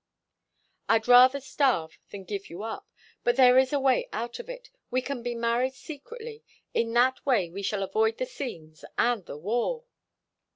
I'd rather starve than give you up. But there is a way out of it. We can be married secretly. In that way we shall avoid the scenes and the war."